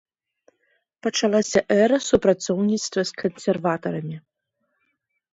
Пачалася эра супрацоўніцтва з кансерватарамі.